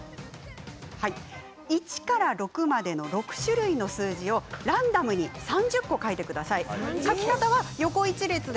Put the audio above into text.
１から６までの６種類の数字をランダムに３０個書いてください。